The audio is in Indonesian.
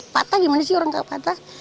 patah gimana sih orang nggak patah